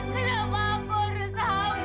kenapa aku harus hampi